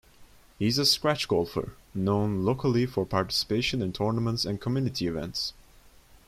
He is a scratch golfer, known locally for participation in tournaments and community events.